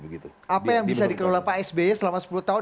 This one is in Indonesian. apa yang bisa dikelola pak sby selama sepuluh tahun